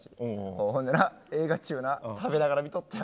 ほんでな、映画中な、食べながら見とったんよ。